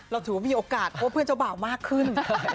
เราถือว่ามีโอกาสพบเพื่อนเจ้าบ่าวมากขึ้น